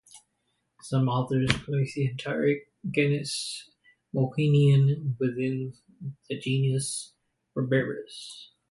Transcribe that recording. Some authors place the entire genus "Mahonia" within the genus "Berberis".